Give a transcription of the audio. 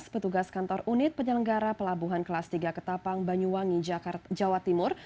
petugas kantor unit penyelenggara pelabuhan kelas tiga ketapang banyuwangi jakarta jawa timur